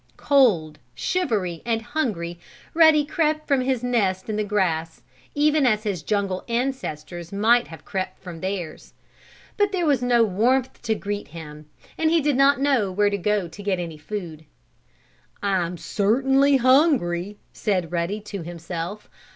Cold, shivery and hungry, Ruddy crept from his nest in the grass, even as his jungle ancestors might have crept from theirs. But there was no warmth to greet him, and he did not know where to get any food. "I'm certainly hungry!" said Ruddy to himself.